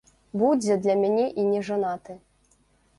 Будзе для мяне і нежанаты.